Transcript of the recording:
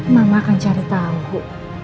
mama akan cari tahu